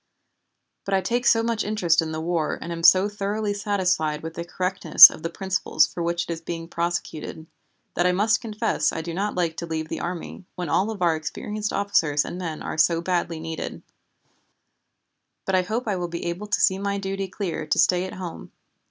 But I take so much interest in the war and am so thoroughly satisfied with the correctness of the principles for which it is being prosecuted, that I must confess I do not like to leave the army, when all of our experienced officers and men are so badly needed, but I hope I will be able to see my duty clear to stay at home.